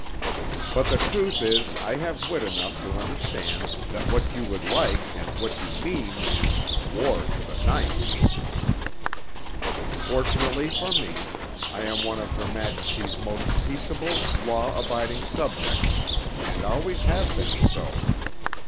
But the truth is I have wit enough to understand that what you would like and what you mean is war to the knife! Fortunately for me, I am one of Her Majesty's most peaceable, law abiding subjects, and always have been so.